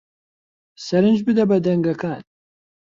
سرنج بدە بە دەنگەکان